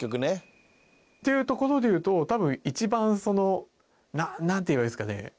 っていうところでいうと多分一番そのなんて言えばいいんですかね